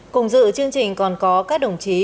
cùng dự chương trình còn có các đồng chí